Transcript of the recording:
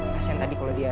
kasian tadi kalau dia